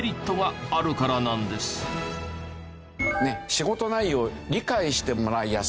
仕事内容を理解してもらいやすい。